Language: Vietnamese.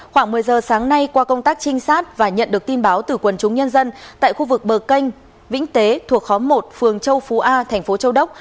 khoảng một mươi giờ sáng nay qua công tác trinh sát và nhận được tin báo từ quần chúng nhân dân tại khu vực bờ canh vĩnh tế thuộc khóm một phường châu phú a thành phố châu đốc